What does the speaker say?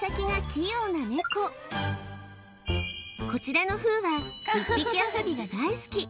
こちらのふーは１匹遊びが大好き